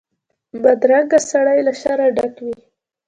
بدرنګه سړی له شره ډک وي